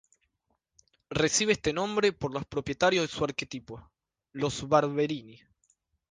Recibe este nombre por los propietarios de su arquetipo, los Barberini.